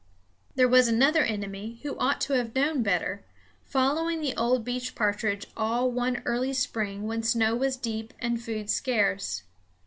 There was another enemy, who ought to have known better, following the old beech partridge all one early spring when snow was deep and food scarce.